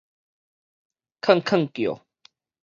吭吭叫